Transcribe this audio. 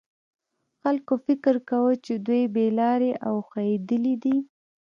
خلکو فکر کاوه چې دوی بې لارې او ښویېدلي دي.